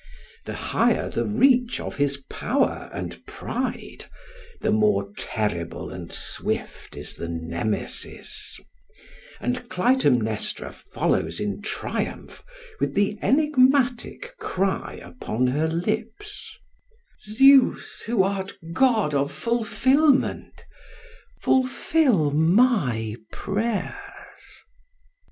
The higher the reach of his power and pride the more terrible and swift is the nemesis; and Clytemnestra follows in triumph with the enigmatic cry upon her lips: "Zeus who art god of fulfilment, fulfil my prayers."